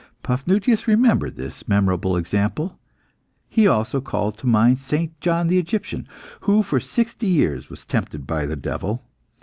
Paphnutius remembered this memorable example. He also called to mind St. John the Egyptian, who for sixty years was tempted by the devil.